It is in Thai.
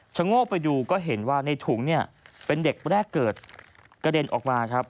โงกไปดูก็เห็นว่าในถุงเนี่ยเป็นเด็กแรกเกิดกระเด็นออกมาครับ